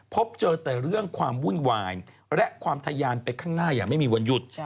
พบเจอแต่เรื่องความวุ่นวายและความทะยานไปข้างหน้าอย่างไม่มีวันหยุด